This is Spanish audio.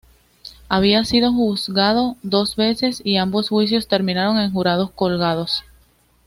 Había sido juzgado dos veces y ambos juicios terminaron en jurados colgados.